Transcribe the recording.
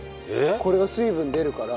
これが水分出るから。